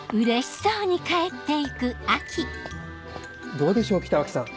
どうでしょう北脇さん